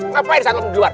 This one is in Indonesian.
ngapain satpam di luar